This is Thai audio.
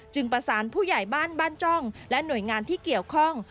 ประสานผู้ใหญ่บ้านบ้านจ้องและหน่วยงานที่เกี่ยวข้อง